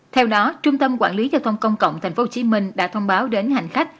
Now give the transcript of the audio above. theo đó trung tâm quản lý giao thông công cộng tp hcm đã thông báo đến hành khách